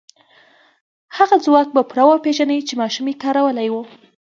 هغه ځواک به پوره وپېژنئ چې ماشومې کارولی و.